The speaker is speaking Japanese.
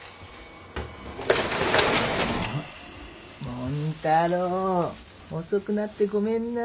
もん太郎遅くなってごめんな。